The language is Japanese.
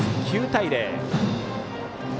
９対０。